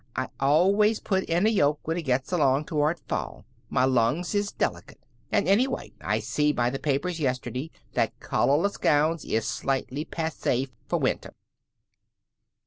"I always put in a yoke when it gets along toward fall. My lungs is delicate. And anyway, I see by the papers yesterday that collarless gowns is slightly passay f'r winter."